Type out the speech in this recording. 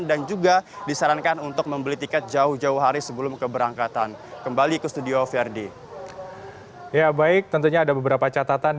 dan saya akan sedikit membicarakan tentang cuaca cuaca ini